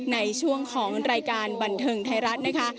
ในช่วงของรายการบันเทิงไทยรัฐนะคะ